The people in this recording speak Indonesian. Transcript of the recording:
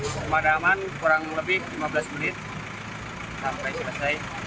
pemadaman kurang lebih lima belas menit sampai selesai